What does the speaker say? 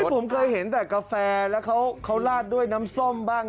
ผมเคยเห็นแต่กาแฟแล้วเขาลาดด้วยน้ำส้มบ้าง